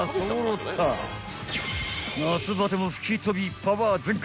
［夏バテも吹き飛びパワー全開］